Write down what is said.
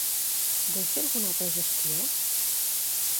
Vol fer alguna altra gestió?